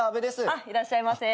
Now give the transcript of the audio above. あっいらっしゃいませ。